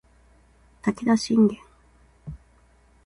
武田信玄